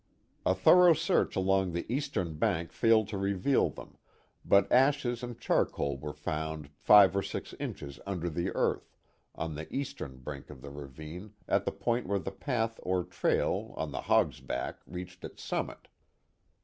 A thorough search along the eastern bank failed to reveal them, but ashes and charcoal were found five or six inches under the earth on the eastern brink of the ravine at the point where the path or trail on the " hog's back " reached its summit.